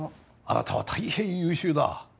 あなたは大変優秀だ。